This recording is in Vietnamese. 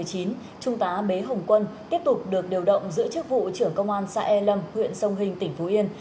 trung tá bế hồng quân tiếp tục được điều động giữ chức vụ trưởng công an xã e lâm huyện sông hình tỉnh phú yên